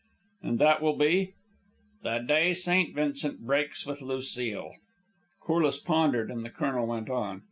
"And that will be?" "The day St. Vincent breaks with Lucile." Corliss pondered, and the colonel went on.